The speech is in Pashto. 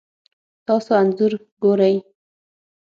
تاسو انځور ګورئ